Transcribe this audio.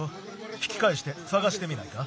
ひきかえしてさがしてみないか？